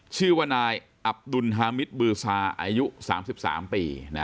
ชื่อว่านายอัพดูนฮามิตบือซาอายุสามสิบสามปีนะ